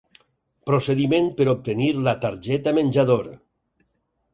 Procediment per obtenir la targeta menjador.